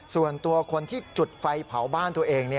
ส่วนตัวคนที่จุดไฟเผาบ้านตัวเอง